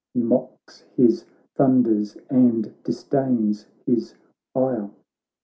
He mocks his thunders and disdains his ire.